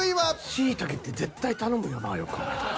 しいたけって絶対頼むよなよく考えたら。